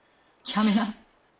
やめな。